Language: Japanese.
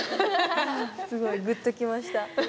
すごいグッときました。